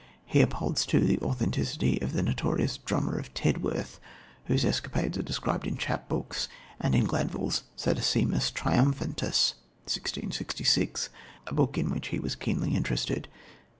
He upholds too the authenticity of the notorious Drummer of Tedworth, whose escapades are described in chapbooks and in Glanvill's Sadducismus Triumphatus (1666), a book in which he was keenly interested.